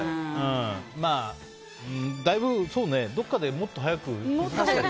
まあ、どこかでもっと早く。